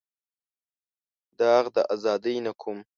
داغ د ازادۍ نه کوم.